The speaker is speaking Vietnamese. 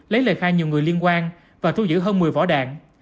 lấy lời khai nhiều người liên quan và thu giữ hơn một mươi vỏ đạn